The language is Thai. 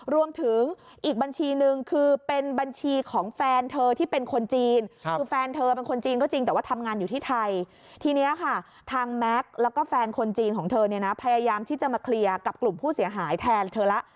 รวมถึงอีกบัญชีหนึ่งคือเป็นบัญชีของแฟนเธอที่เป็นคนจีน